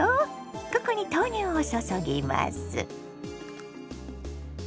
ここに豆乳を注ぎます。